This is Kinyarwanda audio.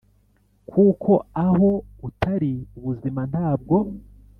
Kuko aho utari ubuzima ntabwo,